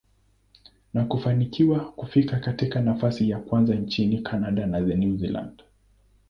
na kufanikiwa kufika katika nafasi ya kwanza nchini Canada na New Zealand.